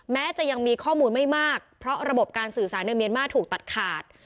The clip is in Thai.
แม้จะยังมีข้อมูลไม่มากเพราะระบบการสื่อสารในเมียนมาร์ถูกตัดขาด